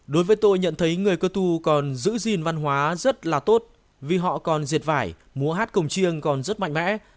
đối với tôi nhận thấy người cơ tu còn giữ gìn văn hóa rất là tốt vì họ còn diệt vải múa hát cổng chiêng còn rất mạnh mẽ